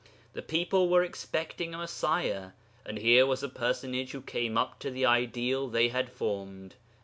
The people were expecting a Messiah, and here was a Personage who came up to the ideal they had formed.